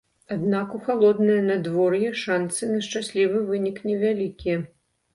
Аднак у халоднае надвор'е шанцы на шчаслівы вынік невялікія.